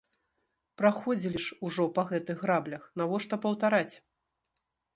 Праходзілі ж ужо па гэтых граблях, навошта паўтараць?